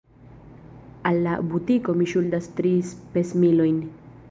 Al la butiko mi ŝuldas tri spesmilojn.